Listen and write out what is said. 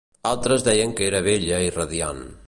Altres deien que era bella i radiant.